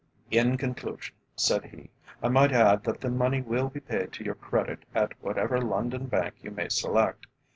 "In conclusion," said he, "I might add that the money will be paid to your credit at whatever London Bank you may select.